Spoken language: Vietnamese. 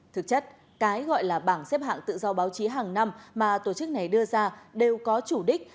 thực chất cái gọi là bảng xếp hạng tự do báo chí hàng năm mà tổ chức này đưa ra đều có chủ đích